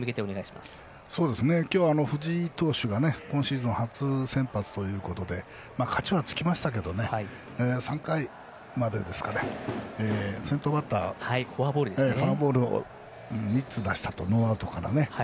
今日、藤井投手が今シーズン初先発ということで勝ちはつきましたけど３回までですか、先頭バッターフォアボールを３つ出したとノーアウトからね。